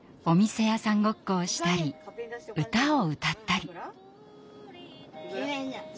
お店屋さんごっこをしたり歌を歌ったり。